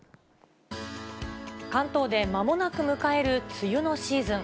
関東でまもなく迎える梅雨のシーズン。